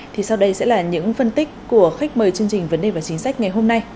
thì sau đây sẽ là những phân tích của khách mời chương trình vấn đề và chính sách ngày hôm nay